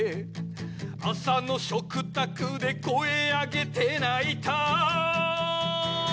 朝の食卓で声上げて泣いた